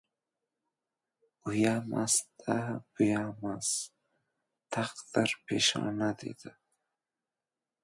— Uyamas-da-buyamas — taqdir-peshona! — dedi.